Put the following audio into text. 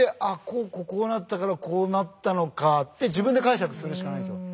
こうこうこうなったからこうなったのかって自分で解釈するしかないんすよ。